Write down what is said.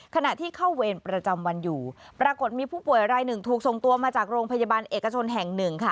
ขณะที่เข้าเวรประจำวันอยู่ปรากฏมีผู้ป่วยรายหนึ่งถูกส่งตัวมาจากโรงพยาบาลเอกชนแห่งหนึ่งค่ะ